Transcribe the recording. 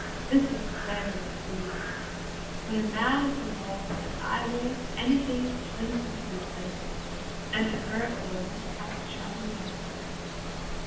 This was very sweet to me. When a man is in love, as I was, anything which links him to his lady, and to her alone, has a charm beyond words.